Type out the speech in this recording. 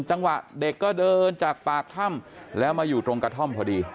จังหวะเด็กก็เดินจากปากถ้ำแล้วมาอยู่ตรงกระท่อมพอดี